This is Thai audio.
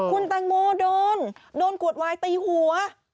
คุณแตงโมโดนโดนกวดวายตีหัว